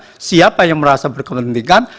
jadi kita siapa yang merasa berkepentingan